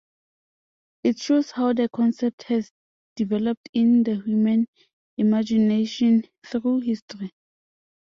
It shows how the concept has developed in the human imagination through history.